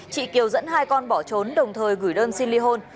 chị kiều dẫn hai con bỏ trốn đồng thời gửi đơn xin ly hôn